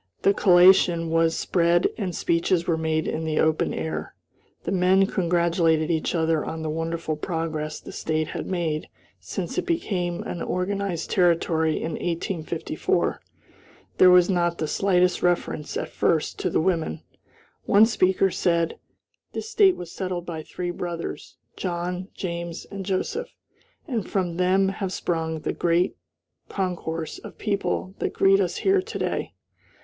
The collation was spread and speeches were made in the open air. The men congratulated each other on the wonderful progress the State had made since it became an organized Territory in 1854. There was not the slightest reference, at first, to the women. One speaker said: "This State was settled by three brothers, John, James, and Joseph, and from them have sprung the great concourse of people that greet us here to day."